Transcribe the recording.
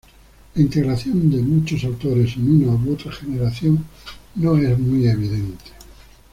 La integración de muchos autores en una u otra generación no es muy evidente.